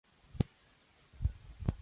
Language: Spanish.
En ese mismo año pasa a jugar a Club Almagro.